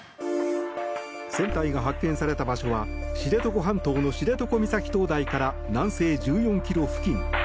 船体が発見された場所は知床半島の知床岬灯台から南西１４ｋｍ付近。